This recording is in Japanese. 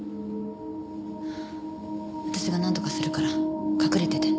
私がなんとかするから隠れてて。